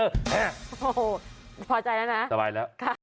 โอ้โหพอใจแล้วนะสบายแล้ว